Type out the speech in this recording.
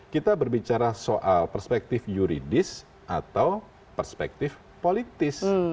kita berbicara soal perspektif yuridis atau perspektif politis